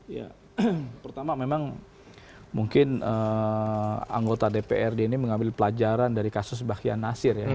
ya pertama memang mungkin anggota dprd ini mengambil pelajaran dari kasus bahya nasir ya